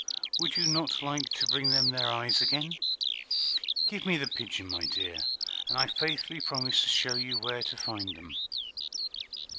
"Would you not like to bring them their eyes again? Give me the pigeon, my dear, and I faithfully promise to show you where to find them."